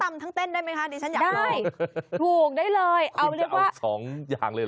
ทั้งตำทั้งเต้นได้ไหมคะดิฉันอยากลองได้ถูกได้เลยเอาเรียกว่าคุณจะเอาสองอย่างเลยหรอ